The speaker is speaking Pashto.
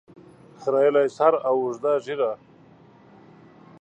خریلي سر او اوږده ږیره